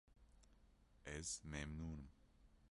Ez memnûn im.